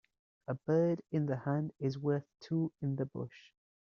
A bird in the hand is worth two in the bush.